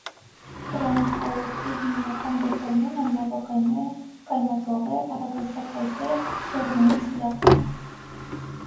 Ռանհոուտի հիմնական դետալներն են նավակայմերը, կայմաձողերը, առագաստափայտերը, բեռնային սլաքները։